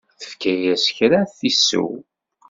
Tefka-as kra ad t-isew.